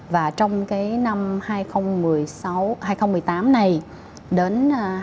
và trong năm hai nghìn một mươi tám này đến hai nghìn hai mươi